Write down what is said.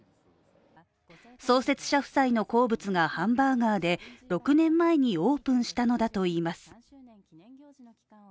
創設者夫妻の好物がハンバーガーで６年前にオープンしたのだといいます。